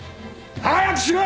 早くしろ！